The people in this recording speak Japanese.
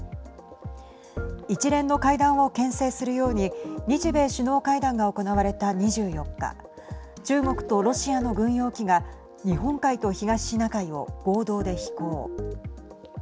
一連の会談を、けん制するように日米首脳会談が行われた２４日中国とロシアの軍用機が日本海と東シナ海を合同で飛行。